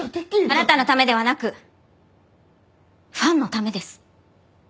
あなたのためではなくファンのためです。